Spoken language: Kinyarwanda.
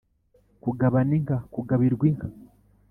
Kugabana inka kugabirwa inka